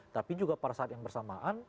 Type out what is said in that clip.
tapi juga pada saat yang bersamaan